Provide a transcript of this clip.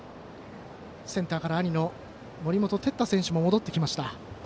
センターから兄の森本哲太選手も戻ってきました。